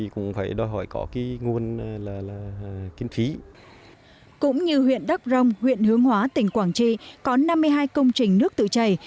cũng như huyện đắc rông huyện hướng hóa tỉnh quảng trị có năm mươi hai công trình nước tự chảy